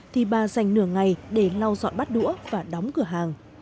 thì bà dành nửa ngày để lau dọn bát đũa và đóng cửa hàng